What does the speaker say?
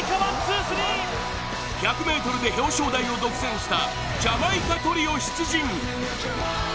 １００ｍで表彰台を独占したジャマイカトリオ出陣。